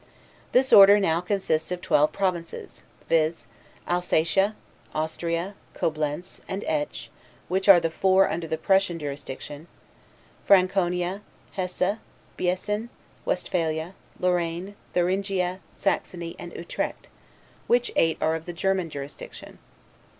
This order now consists of twelve provinces; viz., Alsatia, Austria, Coblentz, and Etsch, which are the four under the Prussian jurisdiction; Franconia, Hesse, Biessen, Westphalia, Lorraine, Thuringia, Saxony, and Utrecht, which eight are of the German jurisdiction.